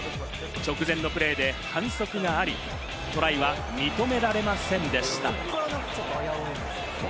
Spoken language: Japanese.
直前のプレーで反則があり、トライは認められませんでした。